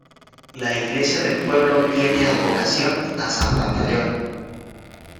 La iglesia del pueblo tiene advocación a San Pantaleón.